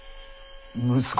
息子！？